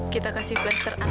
kita berikan pelan pelan